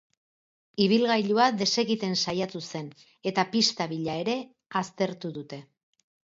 Ibilgailua desegiten saiatu zen, eta pista bila ere aztertu dute.